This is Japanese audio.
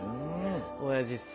おやじっす。